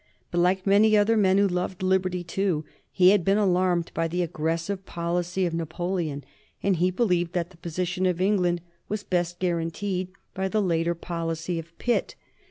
But, like many other men who loved liberty too, he had been alarmed by the aggressive policy of Napoleon, and he believed that the position of England was best guaranteed by the later policy of Pitt.